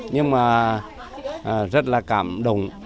nhưng mà rất là cảm động